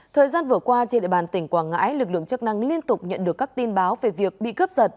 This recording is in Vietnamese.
thời gian vừa qua trên địa bàn tỉnh quảng ngãi lực lượng chức năng liên tục nhận được các tin báo về việc bị cướp giật